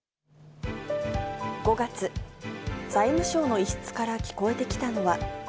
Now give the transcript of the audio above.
５月、財務省の一室から聞こえてきたのは。